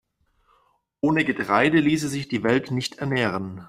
Ohne Getreide ließe sich die Welt nicht ernähren.